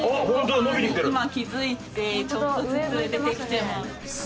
今気づいてちょっとずつ出てきてます。